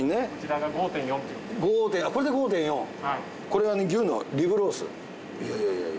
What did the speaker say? これが牛のリブロース？